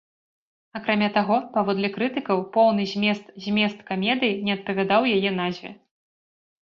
Акрамя таго, паводле крытыкаў, поўны змест змест камедыі не адпавядаў яе назве.